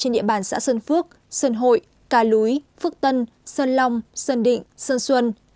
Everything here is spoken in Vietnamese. trên địa bàn xã sơn phước sơn hội ca lúi phước tân sơn long sơn định sơn xuân